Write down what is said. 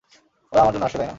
ওরা আমার জন্য আসছে, তাই না?